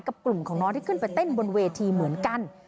กลุ่มของน้องที่ขึ้นไปเต้นบนเวทีเหมือนกัน